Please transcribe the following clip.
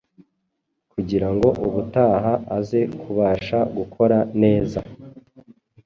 kugirango ubutaha aze kubasha gukora neza.